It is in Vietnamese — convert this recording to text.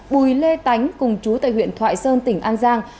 bùi lê tánh cùng chú tại huyện thoại sơn tỉnh an giang